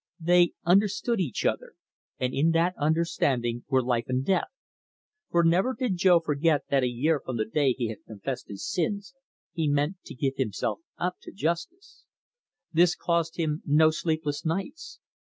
They understood each other, and in that understanding were life and death. For never did Jo forget that a year from the day he had confessed his sins he meant to give himself up to justice. This caused him no sleepless nights.